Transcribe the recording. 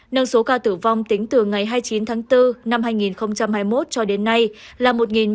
nâng số ca tử vong tính từ ngày hai mươi chín tháng bốn năm hai nghìn hai mươi một cho đến nay là một ba trăm ba mươi sáu